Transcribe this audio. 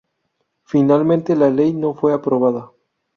Finalmente la ley no fue aprobada.